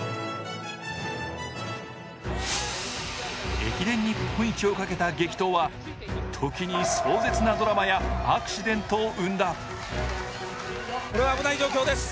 駅伝日本一をかけた激闘は時に壮絶なドラマやアクシデントを生んだ。